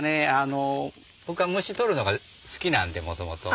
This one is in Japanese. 僕は虫捕るのが好きなんでもともと。